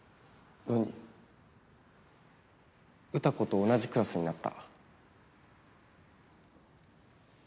詩子と同じクラスになった。